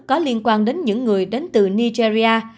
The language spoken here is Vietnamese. có liên quan đến những người đến từ nigeria